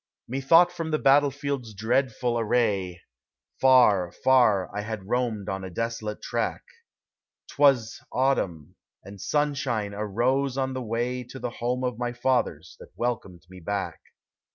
Methought from the battle field's dreadful array. Far, far I had roamed on a desolate track: T was autumn, — and sunshine arose on the way To the home of my fathers, that welcomed me back.